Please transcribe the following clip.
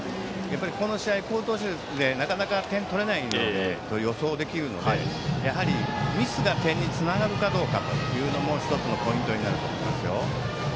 この試合、好投手でなかなか点を取れないと予想できるのでやはりミスが点につながるかも１つのポイントになると思います。